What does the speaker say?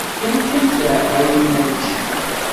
Rkant tɛeqqayin-a n ččina.